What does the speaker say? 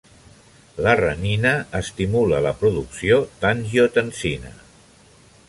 La renina estimula la producció d'angiotensina.